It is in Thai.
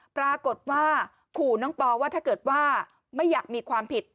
ปรากฏว่าขู่น้องปอว่าถ้าเกิดว่าไม่อยากมีความผิด